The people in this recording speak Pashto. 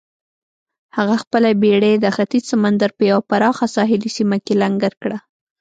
هغه خپله بېړۍ د ختیځ سمندر په یوه پراخه ساحلي سیمه کې لنګر کړه.